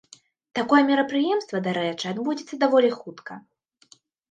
Такое мерапрыемства, дарэчы, адбудзецца даволі хутка.